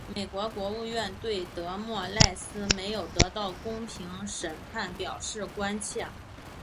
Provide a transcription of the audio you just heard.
美国国务院对德莫赖斯没有得到公平审判表示关切。